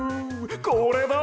これだ！